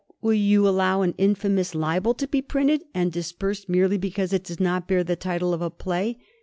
will yon allow an infamous libel to be printed and dispersed mere ly because it does not bear the title of a play